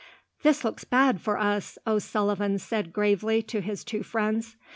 "This looks bad for us," O'Sullivan said gravely to his two friends.